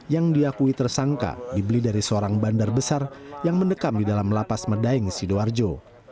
yang diakui tersangka dibeli dari seorang bandar besar yang mendekam di dalam lapas medaeng sidoarjo